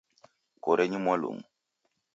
Korenyi mwalumu.